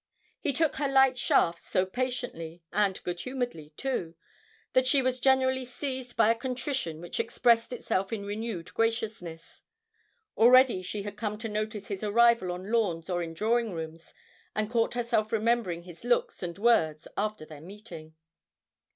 He took her light shafts so patiently and good humouredly, too, that she was generally seized by a contrition which expressed itself in renewed graciousness. Already she had come to notice his arrival on lawns or in drawing rooms, and caught herself remembering his looks and words after their meeting.